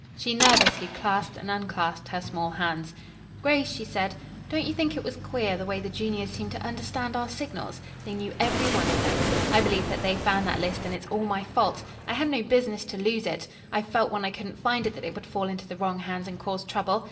She nervously clasped and unclasped her small hands. "Grace," she said, "don't you think it was queer the way the juniors seemed to understand our signals. They knew every one of them. I believe that they found that list and it is all my fault. I had no business to lose it. I felt when I couldn't find it that it would fall into the wrong hands and cause trouble.